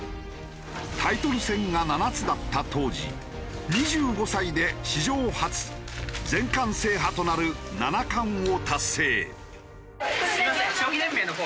タイトル戦が７つだった当時２５歳で史上初全冠制覇となる七冠を達成。